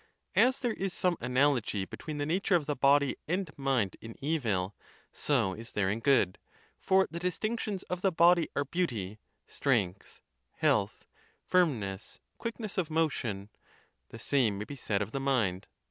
As there is some analogy between the nature of the body and mind in evil, so is there in good; for the distinctions of the body are beauty, strength, health, firmness, quickness of motion: the same may be said of the mind.